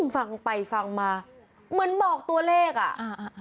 ฟังไปฟังมาเหมือนบอกตัวเลขอ่ะอ่า